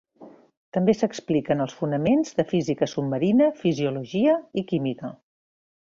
També s'expliquen els fonaments de física submarina, fisiologia i química.